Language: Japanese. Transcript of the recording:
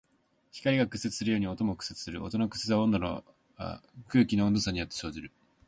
光が屈折するように音も屈折する。音の屈折は空気の温度差によって生じる。